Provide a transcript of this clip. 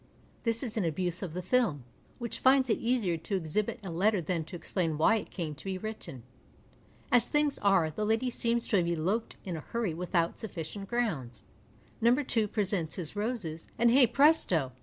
This is an abuse of the film, which finds it easier to exhibit a letter than to explain why it came to be written. As things are, the lady seems to have eloped in a hurry withovit sufficient grounds. No. 2 presents his roses, and, hey presto